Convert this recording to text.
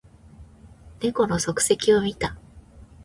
猫の足跡を見た